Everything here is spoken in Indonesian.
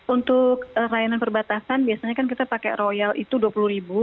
untuk layanan perbatasan biasanya kan kita pakai royal itu rp dua puluh ribu